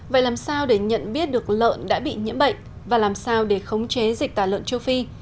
vậy làm sao để nhận biết được lợn đã bị nhiễm bệnh và làm sao để khống chế dịch tả lợn châu phi